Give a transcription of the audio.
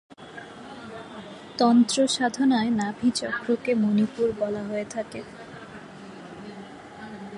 তন্ত্র সাধনায় নাভি-চক্রকে মনিপুর বলা হয়ে থাকে।